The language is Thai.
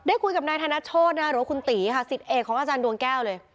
คุยกับนายธนโชธหรือว่าคุณตีค่ะสิทธิเอกของอาจารย์ดวงแก้วเลย